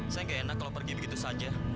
saya nggak enak kalau pergi begitu saja